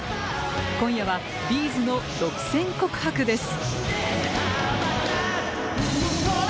今夜は、Ｂ’ｚの独占告白です。